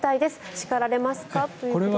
叱られますかということですが。